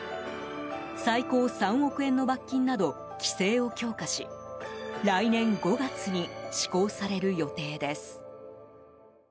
最高３億円の罰金など規制を強化し来年５月に施行される予定です。